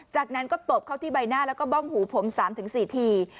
จากนั้นก็ตบเข้าที่ใบหน้าแล้วก็บ้องหูผม๓๔ที